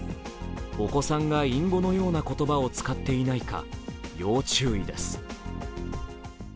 お子さんが隠語のような言葉を使っていないか要注意です。